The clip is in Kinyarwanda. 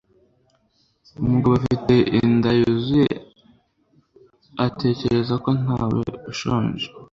Umugabo ufite inda yuzuye atekereza ko ntawe ushonje.